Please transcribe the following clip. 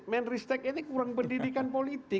menristek ini kurang pendidikan politik